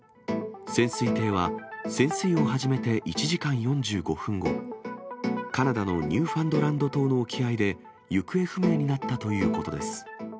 潜水艇は潜水を始めて１時間４５分後、カナダのニューファンドランド島の沖合で、行方不明になったということです。